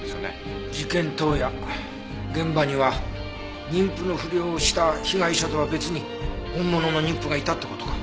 事件当夜現場には妊婦のふりをした被害者とは別に本物の妊婦がいたって事か。